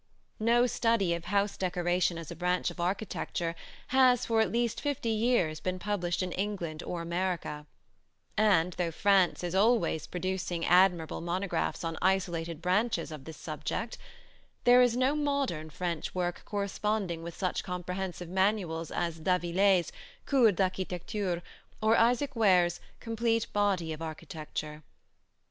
No study of house decoration as a branch of architecture has for at least fifty years been published in England or America; and though France is always producing admirable monographs on isolated branches of this subject, there is no modern French work corresponding with such comprehensive manuals as d'Aviler's Cours d'Architecture or Isaac Ware's Complete Body of Architecture.